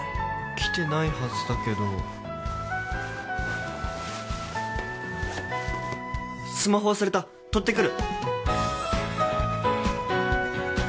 来てないはずだけどスマホ忘れた取ってくる！